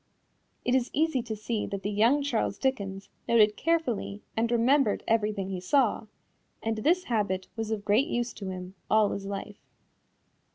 It is easy to see that the young Charles Dickens noted carefully and remembered everything he saw, and this habit was of great use to him all his life.